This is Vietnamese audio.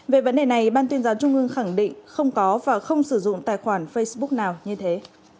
về vấn đề này ban tuyên giáo trung ương khẳng định không có và không sử dụng tài khoản facebook nào như thế